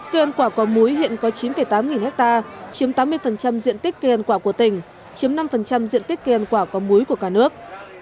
cây ăn quả có múi hiện có chín tám nghìn hectare chiếm tám mươi diện tích cây ăn quả của tỉnh chiếm năm diện tích cây ăn quả có múi của cả nước